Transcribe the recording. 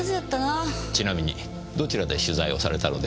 ちなみにどちらで取材をされたのでしょう？